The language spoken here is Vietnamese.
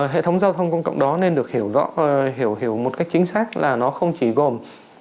hệ thống giao thông công cộng đó nên được hiểu rõ hiểu hiểu một cách chính xác là nó không chỉ gồm